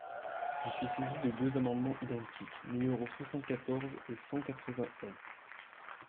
Je suis saisie de deux amendements identiques, numéros soixante-quatorze et cent quatre-vingt-un.